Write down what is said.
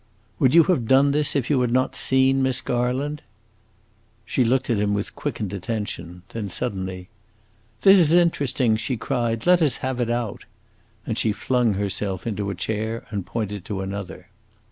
"Would you have done this if you had not seen Miss Garland?" She looked at him with quickened attention; then suddenly, "This is interesting!" she cried. "Let us have it out." And she flung herself into a chair and pointed to another.